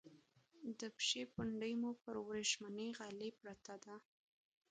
د پښې پونډۍ مو پر ورېښمینې غالی پرته ده.